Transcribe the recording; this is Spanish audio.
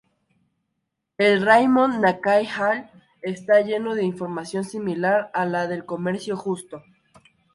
El "Raymond Nakai Hall" está lleno de información similar a la del comercio justo.